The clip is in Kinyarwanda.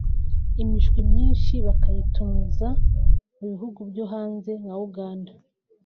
imishwi myinshi bakayitumiza mu bihugu byo hanze nka Uganda